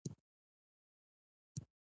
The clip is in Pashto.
د اجر لپاره جنت اړین دی